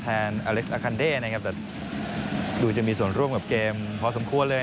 อเล็กซ์อาคันเด้นะครับแต่ดูจะมีส่วนร่วมกับเกมพอสมควรเลย